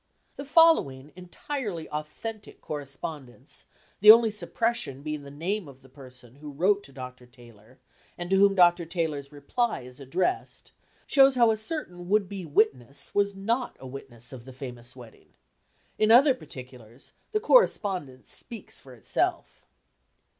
The following entirely authentic correspondence, the only suppression being the name of the person who wrote to Dr. Taylor and to whom Dr. Taylor's reply is addressed, shows how a certain would be "witness" was not a witness of the famous wedding. In other particulars, the correspondence speaks for itself.